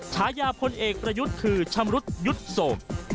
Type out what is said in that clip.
ฉายาพลเอกประยุทธ์คือชำรุดยุทธ์โสม